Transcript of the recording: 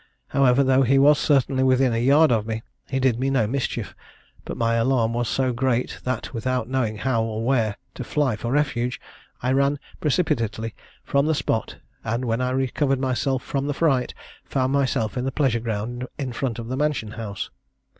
However, though he was certainly within a yard of me, he did me no mischief; but my alarm was so great, that, without knowing how or where to fly for refuge, I ran precipitately from the spot; and, when I recovered myself from the fright, found myself in the pleasure ground in front of the mansion house.